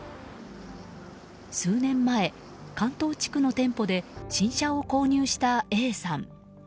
数年前、関東地区の店舗で新車を購入したＡさん。